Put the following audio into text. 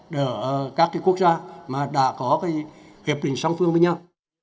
để các cái quốc gia mà đã có cái hiệp định song phương với nhau